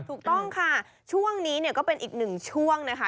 ถูกต้องค่ะช่วงนี้เนี่ยก็เป็นอีกหนึ่งช่วงนะคะ